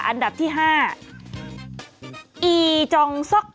อันดับที่๕อีจองซ็อก